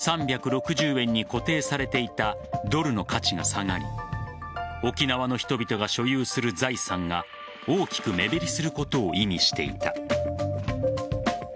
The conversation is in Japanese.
それは当時１ドル３６０円に固定されていたドルの価値が下がり沖縄の人々が所有する財産が大きく目減りすることを意味していた。